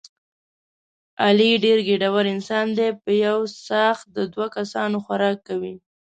علي ډېر ګېډور انسان دی په یوه څاښت د دوه کسانو خوراک کوي.